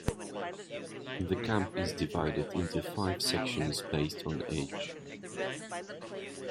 The camp is divided into five sections based on age.